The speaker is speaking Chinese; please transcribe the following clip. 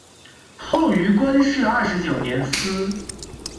后于光绪二十九年祠。